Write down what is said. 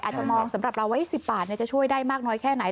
อาจจะมองสำหรับเราไว้๑๐บาทจะช่วยได้มากน้อยแค่ไหน